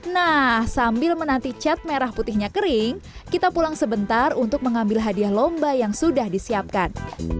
nah sambil menanti cat merah putihnya kering kita pulang sebentar untuk mengambil hadiah lomba yang sudah disiapkan